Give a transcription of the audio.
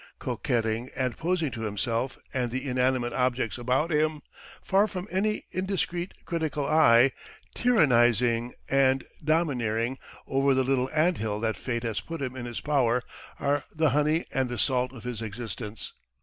Coquetting and posing to himself and the inanimate objects about him, far from any indiscreet, critical eye, tyrannizing and domineering over the little anthill that fate has put in his power are the honey and the salt of his existence.